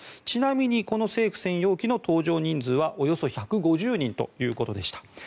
ちなみに、この政府専用機の搭乗人数はおよそ１５０人ということでした。